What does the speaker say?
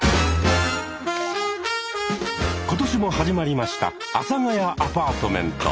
今年も始まりました「阿佐ヶ谷アパートメント」。